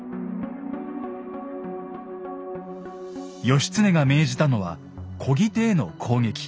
義経が命じたのはこぎ手への攻撃。